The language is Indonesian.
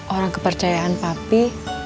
orang kepercayaan papi